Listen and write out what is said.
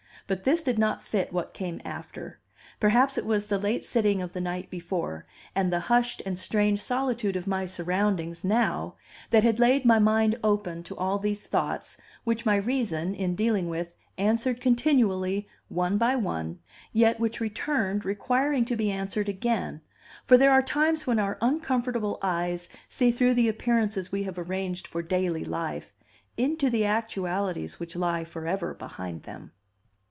But this did not fit what came after. Perhaps it was the late sitting of the night before, and the hushed and strange solitude of my surroundings now, that had laid my mind open to all these thoughts which my reason, in dealing with, answered continually, one by one, yet which returned, requiring to be answered again; for there are times when our uncomfortable eyes see through the appearances we have arranged for daily life, into the actualities which lie forever behind them.